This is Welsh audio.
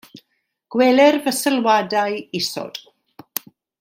Gweler fy sylwadau isod.